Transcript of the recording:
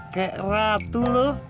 kayak ratu lu